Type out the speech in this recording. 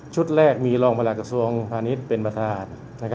แรกมีรองประหลักกระทรวงพาณิชย์เป็นประธาน